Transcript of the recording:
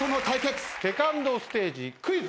セカンドステージクイズ。